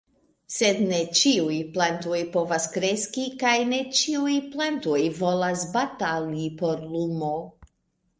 Sed ne ĉiuj plantoj povas kreski, kaj ne ĉiuj plantoj volas batali por lumo.